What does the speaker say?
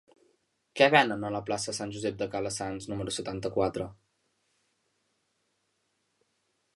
Què venen a la plaça de Sant Josep de Calassanç número setanta-quatre?